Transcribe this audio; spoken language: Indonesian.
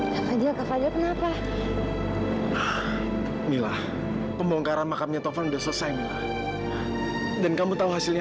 kapal dia kapal dia kenapa mila pembongkaran makamnya tovan udah selesai dan kamu tahu hasilnya